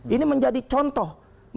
ini menjadi contoh